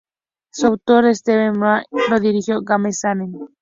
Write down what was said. Su autor es Steven Moffat y lo dirigió James Hawes.